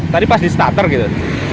tadi pas di starter gitu